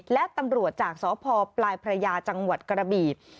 และตำรวจจากสพปลายพระยาจังหวัดกระบี